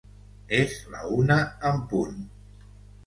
És la una en punt.